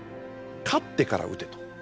「勝ってから打て」と。